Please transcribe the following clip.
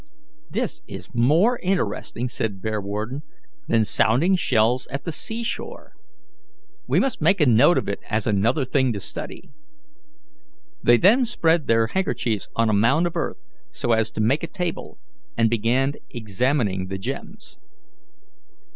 "This is more interesting," said Bearwarden, "than sounding shells at the sea shore. We must make a note of it as another thing to study." They then spread their handkerchiefs on a mound of earth, so as to make a table, and began examining the gems.